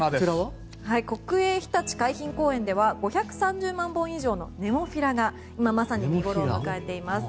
国営ひたち海浜公園では５３０万本以上のネモフィラが今まさに見ごろを迎えています。